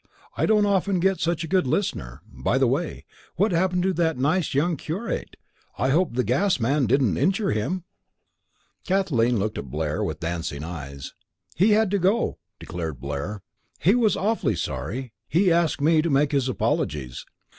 "I don't often get such a good listener. By the way, what happened to that nice young curate? I hope the gas man didn't injure him?" Kathleen looked at Blair with dancing eyes. "He had to go," declared Blair. "He was awfully sorry. He asked me to make his apologies."